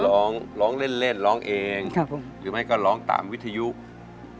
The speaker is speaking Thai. ร้องเองหรือไม่ก็ร้องตามวิทยืก